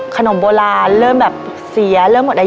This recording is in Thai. ขนมโบราณเริ่มแบบเสีย